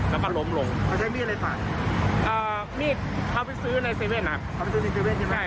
แล้วก็ล้มลงมีอะไรฝากอ่ามีเขาไปซื้อในเซเว่นครับ